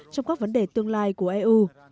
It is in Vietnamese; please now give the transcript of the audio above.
trong các vấn đề tương lai của eu